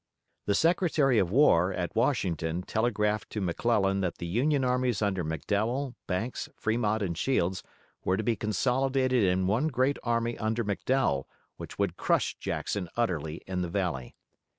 The Secretary of War at Washington telegraphed to McClellan that the Union armies under McDowell, Banks, Fremont and Shields were to be consolidated in one great army under McDowell which would crush Jackson utterly in the valley.